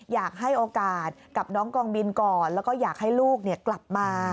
อยากให้โอกาสกับน้องกองบินก่อนแล้วก็อยากให้ลูกกลับมา